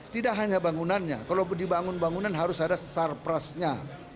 tidak hanya bangunannya kalau dibangun bangunan harus ada sarprasnya